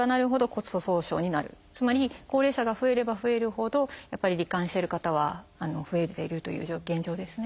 つまり高齢者が増えれば増えるほどやっぱり罹患してる方は増えているという現状ですね。